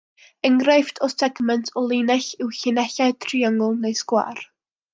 Enghraifft o segment o linell yw llinellau triongl neu sgwâr.